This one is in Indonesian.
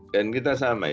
dan kita samai